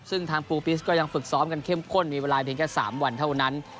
ซึ่งทางปูปิสก็ยังฝึกซ้อมกันเข้มข้นมีเวลาเพียงแค่๓วันเท่านั้น